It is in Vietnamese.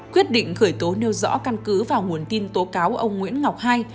quyết định khởi tố nêu rõ căn cứ vào nguồn tin tố cáo ông nguyễn ngọc hai